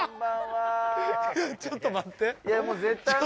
ちょっと待って。